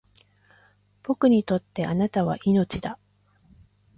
僕にとって貴方は命だ